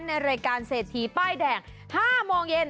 ในรายการเศรษฐีป้ายแดง๕โมงเย็น